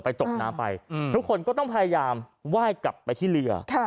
ไปจบน้ำไปอืมทุกคนก็ต้องพยายามว่ายกลับไปที่เรือค่ะ